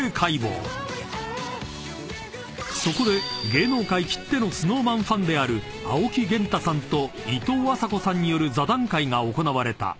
［そこで芸能界きってのＳｎｏｗＭａｎファンである青木源太さんといとうあさこさんによる座談会が行われた］